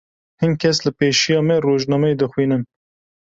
Hin kes li pêşiya me rojnameyê dixwînin.